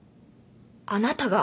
あなたが？